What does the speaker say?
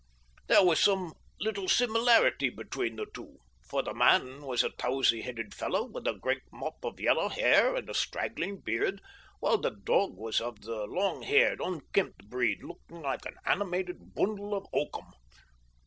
There was some little similarity between the two, for the man was a towsy headed fellow with a great mop of yellow hair and a straggling beard, while the dog was of the long haired, unkempt breed looking like an animated bundle of oakum.